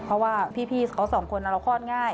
เพราะว่าพี่เขาสองคนเราคลอดง่าย